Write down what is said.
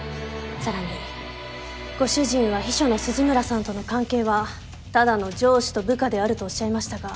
さらにご主人は秘書の鈴村さんとの関係はただの上司と部下であるとおっしゃいましたが。